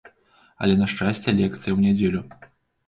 Але на шчасце лекцыя ў нядзелю!